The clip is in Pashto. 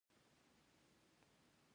ټکنالوژیکي نوښتونه بشري ټولنې بډایه کوي.